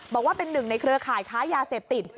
บอกว่าเป็นหนึ่งในเครือข่ายค้ายาเสพติด